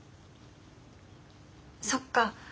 そっか。